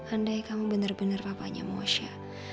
andai kamu benar benar papanya mosya